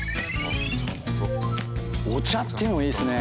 お茶っていうのいいっすね。